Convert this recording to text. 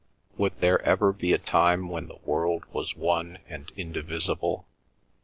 Would there ever be a time when the world was one and indivisible?